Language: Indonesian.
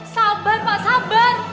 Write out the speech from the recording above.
sabar pak sabar